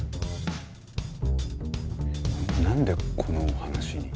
なんでこのお話に。